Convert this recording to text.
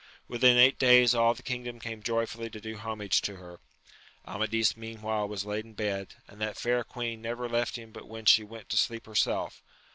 Within eight days all the kingdom came joyfully to do homage to her. Amadis meantime was laid in bed, and that fair queen never left him but when she went to sleep herself.